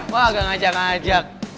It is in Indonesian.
wah gak ngajak ngajak